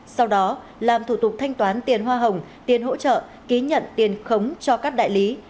sau đó làm thủ tục thanh toán tiền hoa hồng tiền hỗ trợ ký nhận tiền khống cho các đại lý